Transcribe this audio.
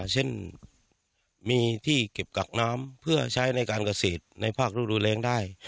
เช่นมีที่เก็บกักน้ำเพื่อใช้ในการเกษตรในภาครูดูแรงได้